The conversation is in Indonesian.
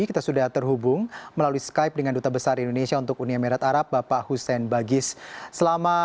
kita sudah terhubung melalui skype dengan duta besar indonesia untuk uni emirat arab bapak hussein bagis